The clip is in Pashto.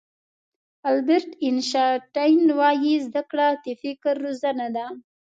البرټ آینشټاین وایي زده کړه د فکر روزنه ده.